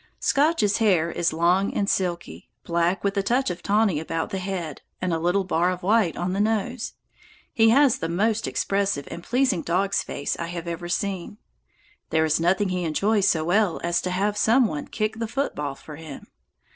Scotch's hair is long and silky, black with a touch of tawny about the head and a little bar of white on the nose. He has the most expressive and pleasing dog's face I have ever seen. There is nothing he enjoys so well as to have some one kick the football for him.